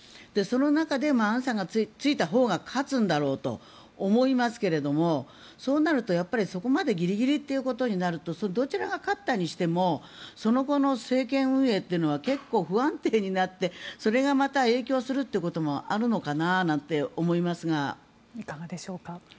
その中でアンさんがついたほうが勝つんだろうと思いますけどそうなるとそこまでギリギリということになるとどちらが勝ったにしてもその後の政権運営というのは結構、不安定になってそれがまた影響することもいかがでしょうか。